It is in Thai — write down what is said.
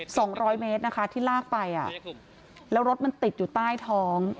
สองร้อยเมตรนะคะที่ลากไปอ่ะแล้วรถมันติดอยู่ใต้ท้อง